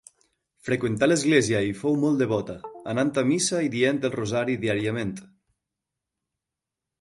Freqüentà l'església i fou molt devota, anant a missa i dient el rosari diàriament.